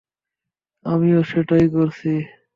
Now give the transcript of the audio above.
আমিও সেটাই করছি।